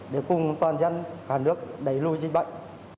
để cùng toàn dân cả nước đẩy lùi dịch bệnh